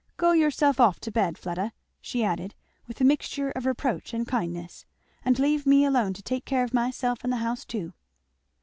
Go yourself off to bed, Fleda," she added with a mixture of reproach and kindness, "and leave me alone to take care of myself and the house too."